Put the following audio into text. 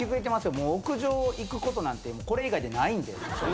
もう屋上行くことこれ以外でないんで。